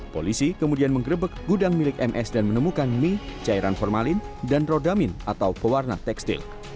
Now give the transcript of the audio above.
polisi kemudian menggerebek gudang milik ms dan menemukan mie cairan formalin dan rodamin atau pewarna tekstil